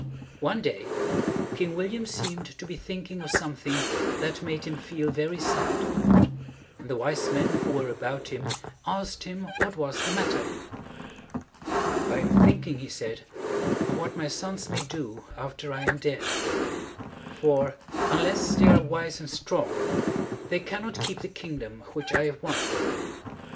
"] One day King Wil liam seemed to be thinking of something that made him feel very sad; and the wise men who were about him asked him what was the matter. "I am thinking," he said, "of what my sons may do after I am dead. For, unless they are wise and strong, they cannot keep the kingdom which I have won for them.